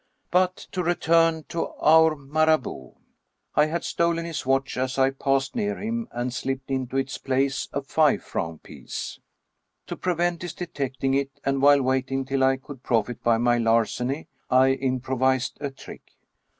But to return to our Marabout. I had stolen his watch 233 True Stories of Modern Magic as I passed near him and slipped into its place a five franc piece. To prevent his detecting it, and while waiting till I could profit by my larceny, I improvised a trick.